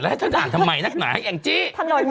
แล้วให้ท่านอ่านทำไมนักหมาให้แอ่งจี้